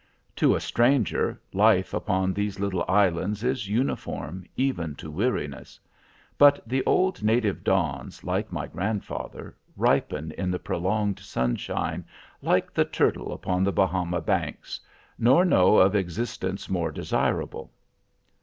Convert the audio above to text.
"To a stranger, life upon those little islands is uniform even to weariness. But the old native dons like my grandfather ripen in the prolonged sunshine, like the turtle upon the Bahama banks, nor know of existence more desirable.